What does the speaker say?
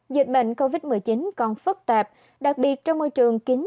dịch bệnh covid một mươi chín còn phức tạp đặc biệt trong môi trường kính